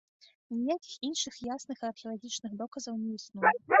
Ніякіх іншых ясных археалагічных доказаў не існуе.